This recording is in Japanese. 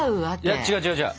いや違う違う違う。